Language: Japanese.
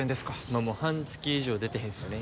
今もう半月以上出てへんっすよね？